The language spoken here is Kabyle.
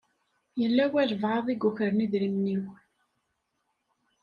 Yella walebɛaḍ i yukren idrimen-iw.